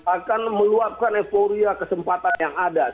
akan meluapkan euforia kesempatan yang akan datang